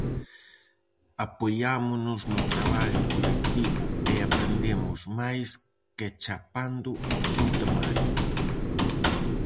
Apoiámonos no traballo colectivo e aprendemos máis que "chapando" un temario.